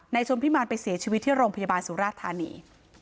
ชนพิมารไปเสียชีวิตที่โรงพยาบาลสุราธานี